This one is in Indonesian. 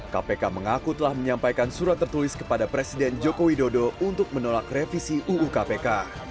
kpk mengaku telah menyampaikan surat tertulis kepada presiden joko widodo untuk menolak revisi uu kpk